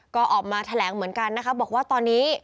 ก็ออกมาแถลงเหมือนกันนะคะบอกว่าตอนนี้